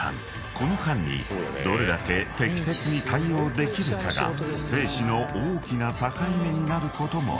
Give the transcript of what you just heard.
［この間にどれだけ適切に対応できるかが生死の大きな境目になることもある］